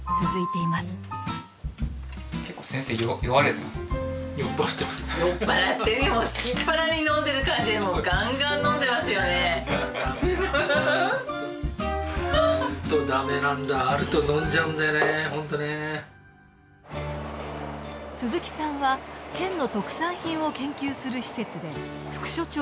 鈴木さんは県の特産品を研究する施設で副所長をしています。